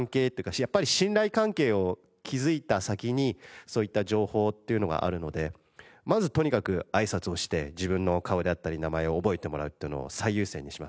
やっぱり信頼関係を築いた先にそういった情報っていうのはあるのでまずとにかくあいさつをして自分の顔であったり名前を覚えてもらうっていうのを最優先にします。